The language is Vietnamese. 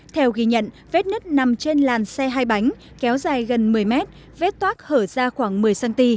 theo ghi nhận vết nứt nằm trên làn xe hai bánh kéo dài gần một mươi mét vết toác hở ra khoảng một mươi cm